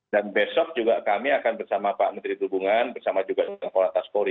dan besok juga kami akan bersama pak menteri perhubungan bersama juga dengan korataspori